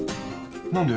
何で？